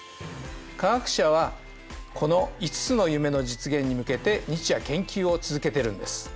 化学者はこの５つの夢の実現に向けて日夜研究を続けてるんです。